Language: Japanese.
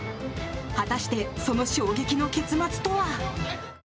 果たして、その衝撃の結末とは。